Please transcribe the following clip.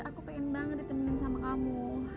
aku pengen banget ditemenin sama kamu